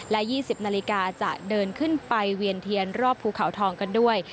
และ๒๐นาฬิกาจะเดินขึ้นไปเวียนเทียนรอบภูเขาทองกันด้วย